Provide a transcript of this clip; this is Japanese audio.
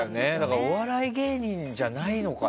お笑い芸人じゃないのかな。